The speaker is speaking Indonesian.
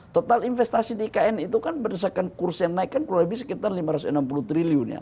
total investasi di ikn itu kan berdasarkan kurs yang naik kan kurang lebih sekitar lima ratus enam puluh triliun ya